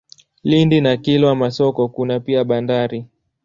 Lindi na Kilwa Masoko kuna pia bandari.